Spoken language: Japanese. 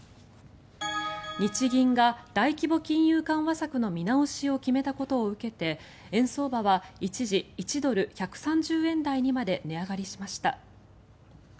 日銀が大規模金融緩和策の見直しを決めたことを受けて円相場は一時１ドル＝１３０円台にまで値上がりしました。